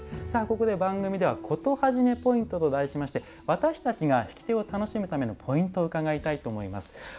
さあここで番組では「コトはじめポイント」と題しまして私たちが引き手を楽しむためのポイントを伺いたいと思います。